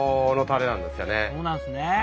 そうなんですね。